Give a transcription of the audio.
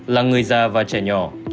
là người già và trẻ nhỏ